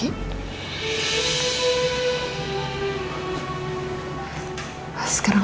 insya allah ki insya allah